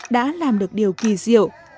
đã làm được điều kỳ diệu